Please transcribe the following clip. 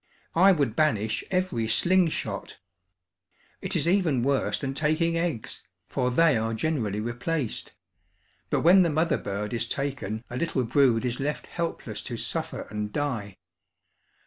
I would banish every "sling shot!" It is even worse than taking eggs, for they are generally replaced; but when the mother bird is taken a little brood is left helpless to suffer and die.